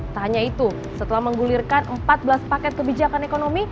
tak hanya itu setelah menggulirkan empat belas paket kebijakan ekonomi